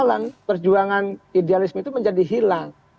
persoalan perjuangan idealisme itu menjadi hilang